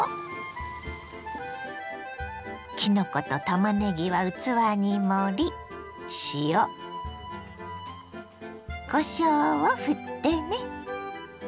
きのことたまねぎは器に盛り塩こしょうをふってね。